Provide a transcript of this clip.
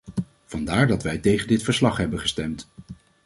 Vandaar dat wij tegen dit verslag hebben gestemd.